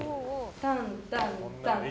タンタンタン。